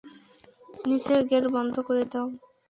নিচের গেট বন্ধ করে দাও।